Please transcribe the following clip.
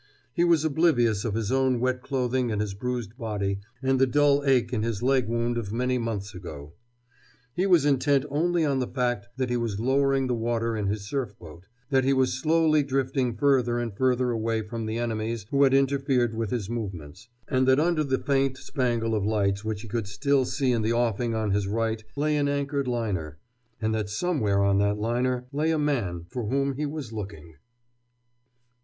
He was oblivious of his own wet clothing and his bruised body and the dull ache in his leg wound of many months ago. He was intent only on the fact that he was lowering the water in his surf boat, that he was slowly drifting further and further away from the enemies who had interfered with his movements, and that under the faint spangle of lights which he could still see in the offing on his right lay an anchored liner, and that somewhere on that liner lay a man for whom he was looking.